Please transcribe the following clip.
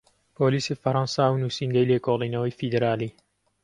پۆلیسی فەرەنسا و نوسینگەی لێکۆڵینەوەی فیدراڵی